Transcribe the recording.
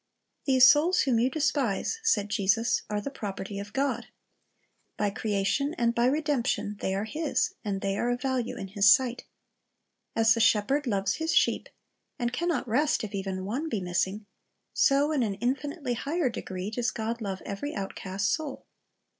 These souls whom you despise, said Jesus, are the property of God. By creation and by redemption they are His, and they are of \alue in His sight. As the shepherd loves his sheep, and can not rest if even one be missing, so, in an infinitely higher degree, does God love every outcast soul.